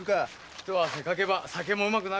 ひと汗かけば酒もうまくなる。